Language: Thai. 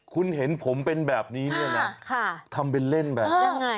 คุณเห็นผมเป็นแบบนี้เนี่ยนะทำเป็นเล่นแบบยังไง